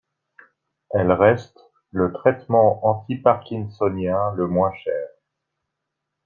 Elle reste le traitement antiparkinsonien le moins cher.